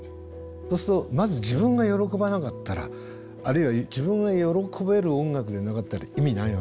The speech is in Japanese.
そうするとまず自分が喜ばなかったらあるいは自分が喜べる音楽でなかったら意味ないわけですよ。